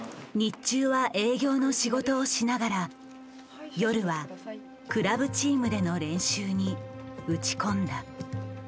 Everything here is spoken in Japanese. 日中は営業の仕事をしながら夜はクラブチームでの練習に打ち込んだ。